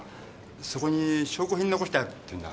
そこに証拠品残してあるっていうんだ。